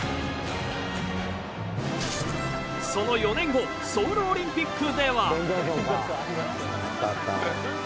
その４年後ソウルオリンピックでは。